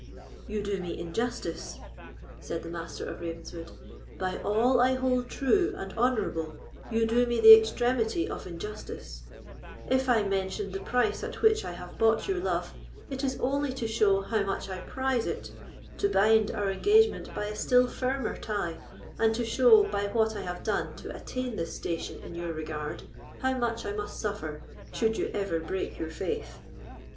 "You do me injustice," said the Master of Ravenswood—"by all I hold true and honourable, you do me the extremity of injustice; if I mentioned the price at which I have bought your love, it is only to show how much I prize it, to bind our engagement by a still firmer tie, and to show, by what I have done to attain this station in your regard, how much I must suffer should you ever break your faith."